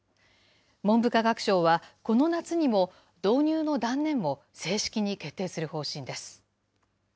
文部科学省は、この夏にも、導入の断念を正式に決定する方針です。